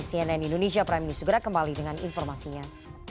cnn indonesia prime news segera kembali dengan informasinya